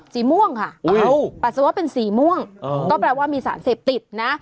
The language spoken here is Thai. สีม่วงค่ะปัสสาวะเป็นสีม่วงก็แปลว่ามีสารเสพติดนะ